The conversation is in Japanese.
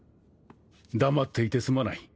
黙っていてすまない。